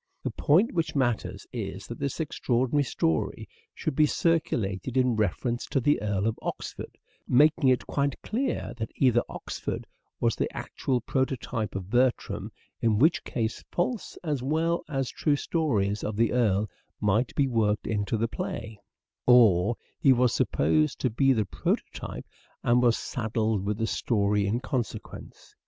The point which matters is that this extraordinary story should be circulated in reference to the Earl of Oxford ; making it quite clear that either Oxford was the actual prototype of Bertram, in which case false as well as true stoiies of the Earl might be worked into the play, or he was supposed to be the prototype and was saddled with the story in consequence.